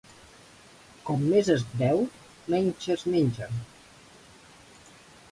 Com més es beu, menys es menja.